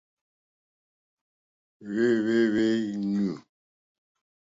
Hwɛ́hwɛ̂hwɛ́ ɲû.